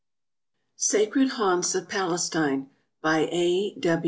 ASIA Sacred Haunts of Palestine By A.